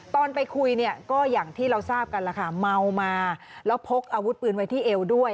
ตอนไปคุยเนี่ยก็อย่างที่เราทราบกันล่ะค่ะเมามาแล้วพกอาวุธปืนไว้ที่เอวด้วย